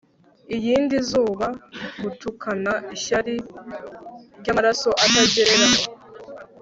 iyindi zuba, gutukana ishyari ryamaraso atagereranywa